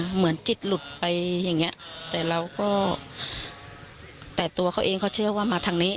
เหมือนจิตหลุดไปอย่างเนี้ยแต่ตัวเขาเองก็เชื่อว่ามาทางนี้